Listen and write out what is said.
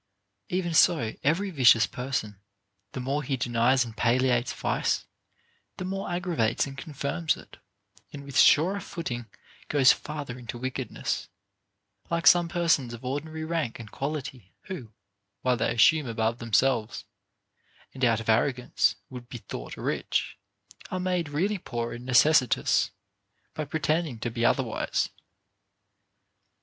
Even so every vicious person, the more he denies and palliates vice, the more aggravates and confirms it, and with surer footing goes farther into wickedness ; like some persons of ordinary rank and quality, who, while they assume above themselves, and out of arro gance would be thought rich, are made really poor and necessitous, by pretending to be otherwise.